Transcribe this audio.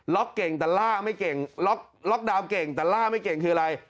เก่งแต่ล่าไม่เก่งล็อกดาวน์เก่งแต่ล่าไม่เก่งคืออะไร